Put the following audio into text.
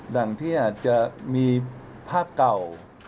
ดังที่อาจจะมีภาพเก่า